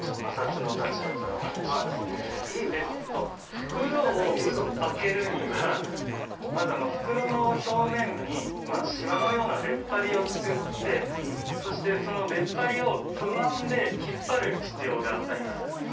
袋を開けるにはまず袋の表面にシワのような出っ張りを作ってそしてその出っ張りをつまんで引っ張る必要があります。